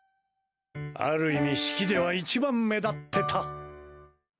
ある意味、式では一番目立ってた！